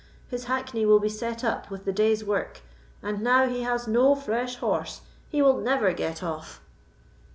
His hackney will be set up with the day's work, and now he has no fresh horse; he will never get off."